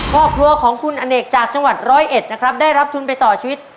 ครอบครัวของคุณอเนกจากจังหวัดร้อยเอ็ดนะครับได้รับทุนไปต่อชีวิต